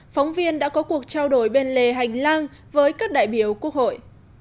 phóng viên đã có cuộc trao đổi bên lề hành lang với các đại biểu quốc hội